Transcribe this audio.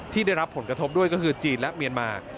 ที่ได้รับผลกระทบด้วยก็คือจีนและเมียนมา